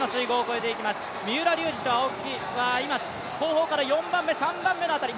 三浦龍司と青木は今、後方から４番め、３番目の辺り。